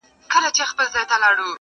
خدایه مینه د قلم ورکي په زړو کي,